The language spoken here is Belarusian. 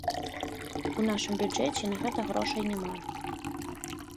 У нашым бюджэце на гэта грошай няма.